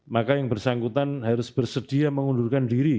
maka yang bersangkutan harus bersedia mengundurkan diri